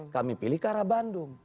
kami pilih ke arah bandung